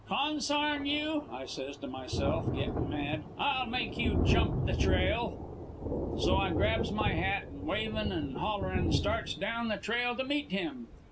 "'Consarn you!' I says to myself, gettin' mad. 'I'll make you jump the trail.' "So I grabs my hat, and wavin' and hollerin' starts down the trail to meet him.